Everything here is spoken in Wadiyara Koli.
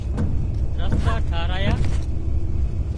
رستا ٽاهرايا